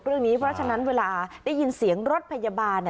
เพราะฉะนั้นเวลาได้ยินเสียงรถพยาบาล